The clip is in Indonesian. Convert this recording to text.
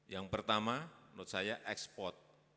yang pertama menurut saya ekspor